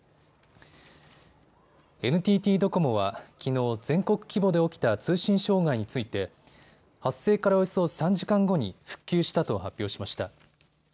ＮＴＴドコモはきのう、全国規模で起きた通信障害について発生からおよそ３時間後に復旧したと発表しました。